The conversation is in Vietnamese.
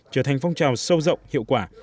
trở thành phong trào sâu rộng hiệu quả